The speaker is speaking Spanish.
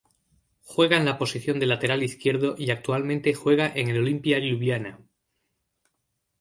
Juega en la posición de lateral izquierdo y actualmente juega en el Olimpija Ljubljana.